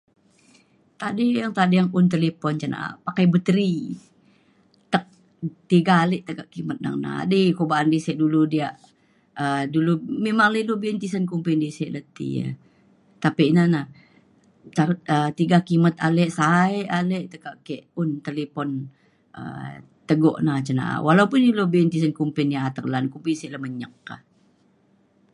tading tading un talipon cen na’a pakai bateri tek tiga ale tekak kimet na adi ku ba’an di sek dulu diak um dulu memang la dulu be’un tisen kumbi di sek le ti ya. tapek ina na ca- um tiga kimet ale sa’e ale tekak ke un talipon um tegok na cin na’a. walaupun ilu be’un tisen kumbin ya atek lan kumbin sek menyek ka